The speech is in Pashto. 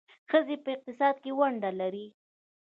ښځې په اقتصاد کې ونډه لري.